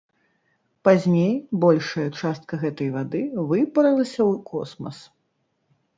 Пазней большая частка гэтай вады выпарылася ў космас.